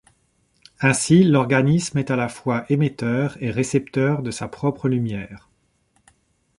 Ainsi, l'organisme est à la fois émetteur et récepteur de sa propre lumière.